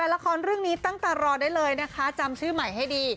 รายละครเรื่องในตั้งแต่รอได้เลยจำชื่อใหม่ให้ดี